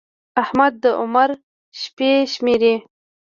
احمد د عمر شپې شمېري.